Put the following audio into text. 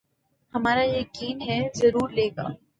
ہمارا یقین ہے ضرور لیگا